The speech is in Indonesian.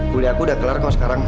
kuliahku udah kelar kok sekarang